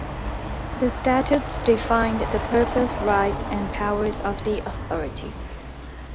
The statutes define the purpose, rights and powers of the authority.